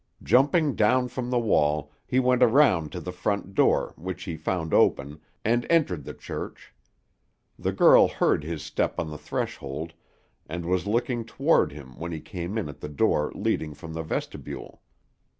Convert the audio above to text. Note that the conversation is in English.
Jumping down from the wall, he went around to the front door, which he found open, and entered the church. The girl heard his step on the threshold, and was looking toward him when he came in at the door leading from the vestibule.